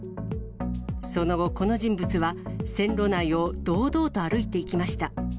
その後、この人物は線路内を堂々と歩いていきました。